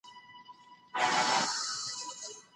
خو نیژدې نه سوای ورتللای څوک له ویري